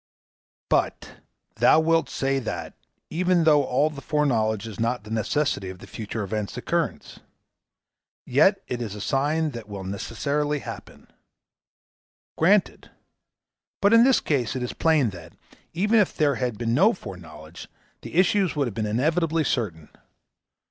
But thou wilt say that, even although the foreknowledge is not the necessity of the future event's occurrence, yet it is a sign that it will necessarily happen. Granted; but in this case it is plain that, even if there had been no foreknowledge, the issues would have been inevitably certain.